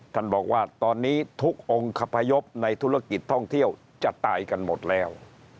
ท่านบอกว่าตอนนี้ทุกองค์คพยพในธุรกิจท่องเที่ยวจะตายกันหมดแล้ว